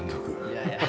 いやいや。